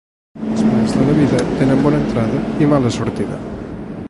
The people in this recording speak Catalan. Els plaers de la vida tenen bona entrada i mala sortida.